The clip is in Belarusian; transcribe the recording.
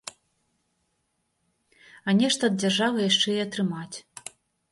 А нешта ад дзяржавы яшчэ і атрымаць.